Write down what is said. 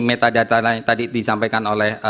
metadata nya tadi disampaikan oleh